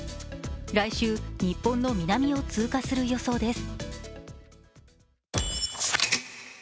来週、日本の南を通過する予想です。